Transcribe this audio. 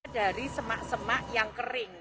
dari semak semak yang kering